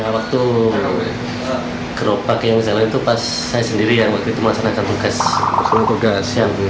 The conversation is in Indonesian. waktu gerobak yang salah itu pas saya sendiri yang waktu itu melaksanakan tugas